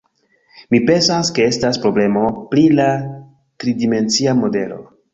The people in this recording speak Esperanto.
Mi pensas, ke estas problemo pri la tridimencia modelo.